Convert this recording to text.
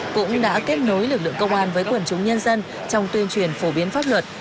cũng đã kết nối lực lượng công an với quần chúng nhân dân trong tuyên truyền phổ biến pháp luật